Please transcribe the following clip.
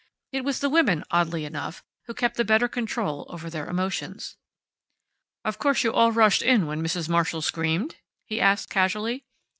It was the women, oddly enough, who kept the better control over their emotions. "Of course you all rushed in when Mrs. Marshall screamed?" he asked casually.